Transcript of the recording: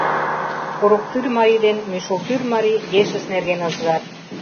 Курыктӱр марий ден Мӱшылтӱр марий ешышт нерген ызгат: